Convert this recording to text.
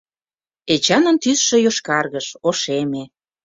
Эчанын тӱсшӧ йошкаргыш, ошеме.